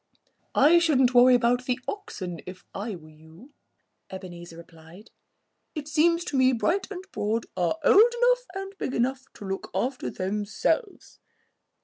"I shouldn't worry about the oxen if I were you," Ebenezer replied. "It seems to me Bright and Broad are old enough and big enough to look out for themselves."